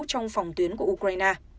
trong phòng tuyến của ukraine